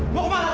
buang kemah kau